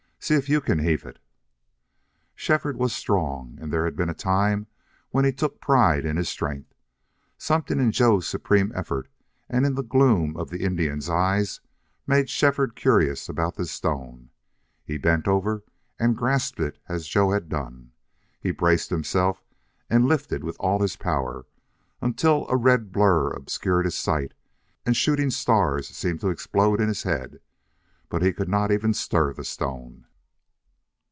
"See if you can heave it." Shefford was strong, and there had been a time when he took pride in his strength. Something in Joe's supreme effort and in the gloom of the Indian's eyes made Shefford curious about this stone. He bent over and grasped it as Joe had done. He braced himself and lifted with all his power, until a red blur obscured his sight and shooting stars seemed to explode in his head. But he could not even stir the stone.